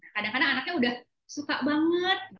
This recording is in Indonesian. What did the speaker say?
kadang kadang anaknya sudah suka banget